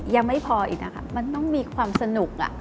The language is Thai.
ยังไม่พออีกนะคะมันต้องมีความสนุก